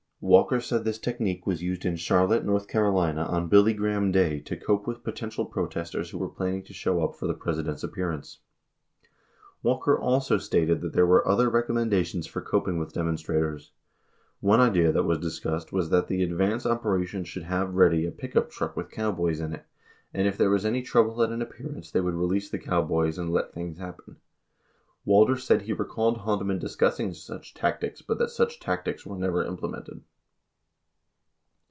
55 Walker said this technique was used in Charlotte, N.C., on Billy Graham Day to cope with potential protesters who were planning to show up for the President's appearance. Walker also stated that there were other recommendations for coping with demonstrators. One idea that was discussed was that the advance operation should have ready a pickup truck with cowboys in it, and « Ibid. 52 10 Hearings 4190. 53 10 Hearings 3931. 64 Walker interview', Aug. 15, 1973, p. 5. 65 Id. at p. 6, 20 2 if there were any trouble at an appearance, they would release the cowboys and "let things happen." 56 Walker said he recalled Haldeman discussing such tactics but that such tactics were never implemented.